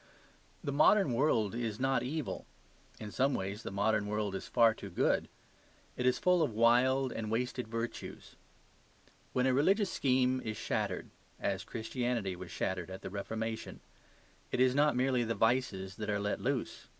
The modern world is not evil; in some ways the modern world is far too good. It is full of wild and wasted virtues. When a religious scheme is shattered (as Christianity was shattered at the Reformation), it is not merely the vices that are let loose.